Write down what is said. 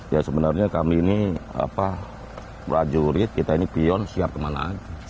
ya sebenarnya kami ini prajurit kita ini pion siap kemana aja